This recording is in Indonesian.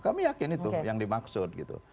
kami yakin itu yang dimaksud gitu